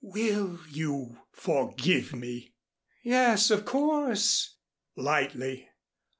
"Will you forgive me?" "Yes, of course," lightly.